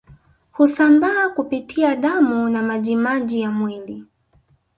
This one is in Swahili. Husambaa kupitia damu na majimaji ya mwili